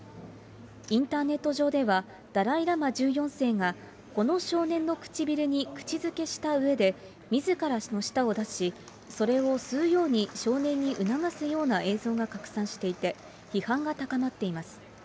インターネット上では、ダライ・ラマ１４世が、この少年の唇に口づけしたうえで、みずからの舌を出し、それを吸うように少年に促すような映像が拡散していて、批判が高まっています。